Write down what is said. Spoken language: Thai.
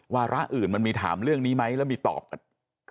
วาระอื่นมันมีถามเรื่องนี้ไหมแล้วมีตอบกัน